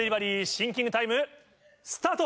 シンキングタイムスタート。